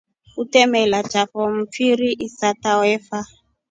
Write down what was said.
Utemela chao mfiri isata wefa.